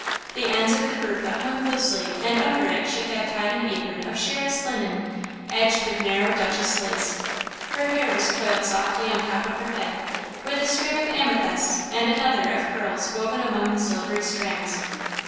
The ends of the bertha hung loosely and under it she had tied an apron of sheerest linen, edged with narrow Duchesse lace. Her hair was coiled softly on top of her head, with a string of amethysts and another of pearls woven among the silvery strands.